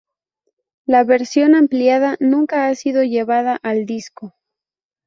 La versión ampliada nunca ha sido llevada al disco.